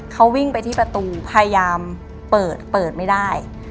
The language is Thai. เขาวิ่งไปที่ประตูพยายามเปิดเปิดไม่ได้